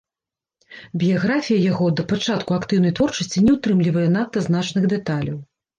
Біяграфія яго да пачатку актыўнай творчасці не ўтрымлівае надта значных дэталяў.